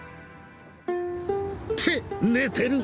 って寝てる！